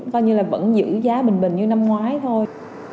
coi như là vẫn giữ giá bình bình như năm ngoái thôi